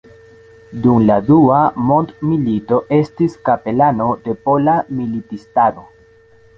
Dum la dua mondmilito estis kapelano de Pola Militistaro.